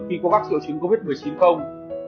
khi có bác triệu chứng covid một mươi chín không